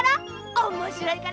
おもしろいから！